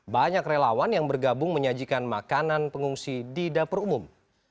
banyak relawan yang bergabung menyajikan makanan pengungsi di dapur umum